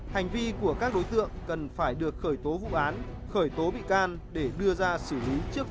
hành vi của các đối tượng cần phải được khởi tố vụ án khởi tố bị can để đưa ra xử lý trước